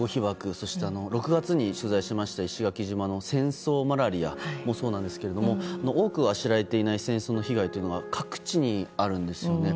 そして、６月に取材をしました石垣島の戦争マラリアもそうなんですが多くは知られていない戦争の被害というのが各地にあるんですね。